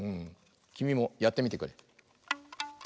きみもやってみてくれ。